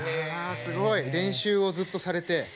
すごい！練習をずっとされて。